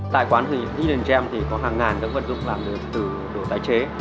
tại quán heidengem thì có hàng ngàn vận dụng làm được từ đồ tái chế